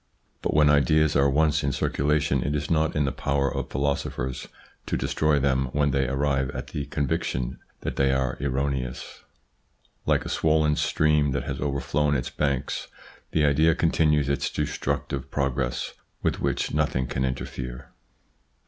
But when ideas are once in circu lation it is not in the power of philosophers to destroy them when they arrive at the conviction that they are erroneous. Like a swollen stream that has overflown its banks, the idea continues its destructive progress with which nothing can interfere.